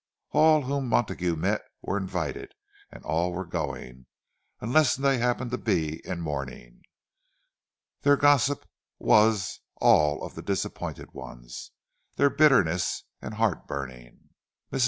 All whom Montague met were invited and all were going unless they happened to be in mourning. Their gossip was all of the disappointed ones, and their bitterness and heartburning. Mrs.